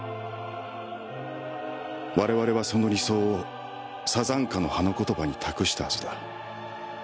「我々はその理想をサザンカの花言葉に託したはずだ」